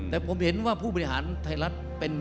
แต่ผมเห็นว่าผู้บริหารไทยรัฐเป็น